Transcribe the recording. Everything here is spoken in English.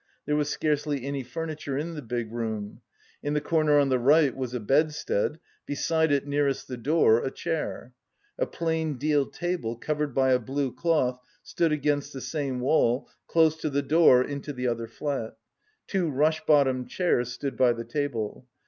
There was scarcely any furniture in the big room: in the corner on the right was a bedstead, beside it, nearest the door, a chair. A plain, deal table covered by a blue cloth stood against the same wall, close to the door into the other flat. Two rush bottom chairs stood by the table.